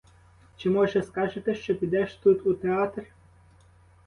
Чи може скажете, що підеш тут у театр?